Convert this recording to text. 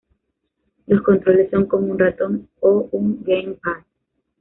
Los controles son con un ratón o un gamepad.